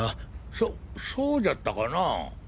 そそうじゃったかな。